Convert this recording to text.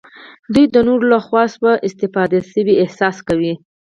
دوی د نورو لخوا سوء استفاده شوي احساس کوي.